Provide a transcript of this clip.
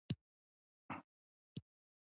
علم د جرایمو مخنیوی کوي.